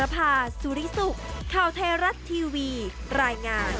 โปรดติดตามตอนต่อไป